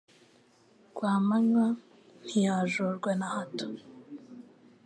Rwamanywa ntiyajorwa na hato